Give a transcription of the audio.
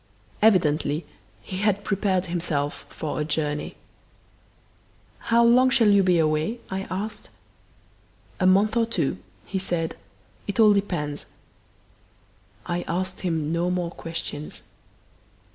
Evidently he had prepared himself for a journey. "How long shall you be away?" I asked. "A month or two," he said. "It all depends." I asked him no more questions.